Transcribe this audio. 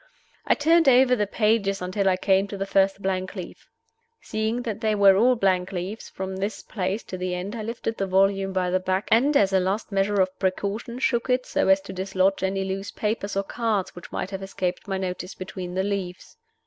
I turned over the pages until I came to the first blank leaf. Seeing that they were all blank leaves from this place to the end, I lifted the volume by the back, and, as a last measure of precaution, shook it so as to dislodge any loose papers or cards which might have escaped my notice between the leaves.